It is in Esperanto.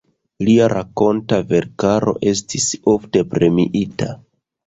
Lia rakonta verkaro estis ofte premiita.